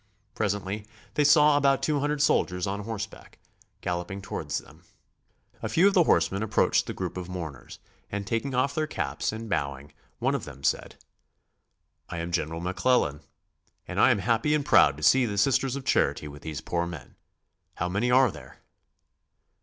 Presently they saw about two hundred soldiers on horseback galloping towards them. A few of the horsemen approached the group of mourners and taking off their caps and bowing one of them said: "I am General McClellan and I am happy and proud to see the Sisters of Charity with these poor men. How many are here?"